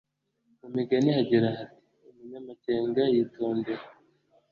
Mu Migani hagira hati umunyamakenga yitondera